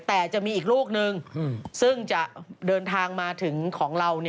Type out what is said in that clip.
แต่จะมีอีกลูกนึงซึ่งจะเดินทางมาถึงของเรา